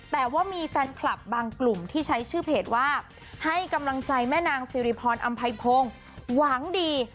แต่ว่ามีแฟนคลับบางกลุ่มที่ใช้ชื่อเพจว่าให้กำลังใจแม่นางสิริพรอำไพพงศ์หวังดี